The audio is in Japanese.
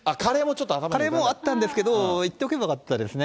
カレーもあったんですけど、いっておけばよかったですね。